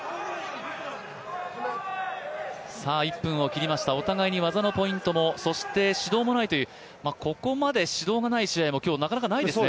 １分を切りました、お互いに技のポイントも指導がないというここまで指導がない試合もなかなかないですね。